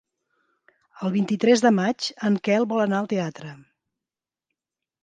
El vint-i-tres de maig en Quel vol anar al teatre.